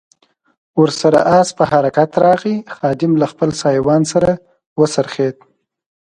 ور سره آس په حرکت راغی، خادم له خپل سایوان سره و څرخېد.